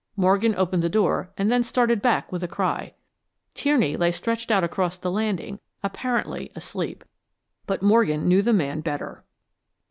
Morgan opened the door and then started back with a cry. Tierney lay stretched out across the landing, apparently asleep. But Morgan knew the man better.